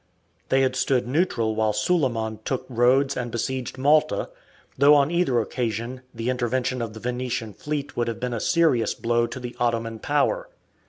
They had stood neutral while Suleiman took Rhodes and besieged Malta, though on either occasion the intervention of the Venetian fleet would have been a serious blow to the Ottoman power.